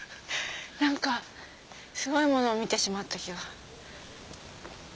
何かすごいものを見てしまった気が。